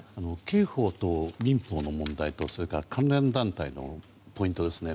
刑法と民法の問題とそれから関連団体のポイントですね。